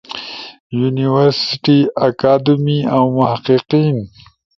یونیورسٹئی، اکادمی اؤ محققین